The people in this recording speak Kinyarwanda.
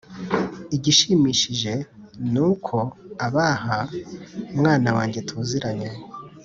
Igishimishije ni uko Abaha Mwana wanjye tuziranye